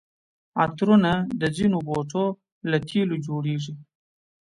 عطرونه د ځینو بوټو له تېلو جوړیږي.